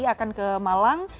jadi akan ke malang